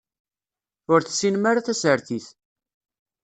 Ur tessinem ara tasertit.